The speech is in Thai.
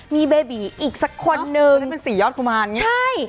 มีเบบีอีกสักคนนึงเนี้ยเป็นสี่ยอดกุมารใช่